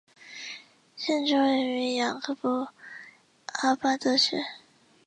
县治位于雅各布阿巴德市。